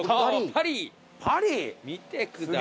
見てください。